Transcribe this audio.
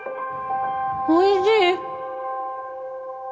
おいしい！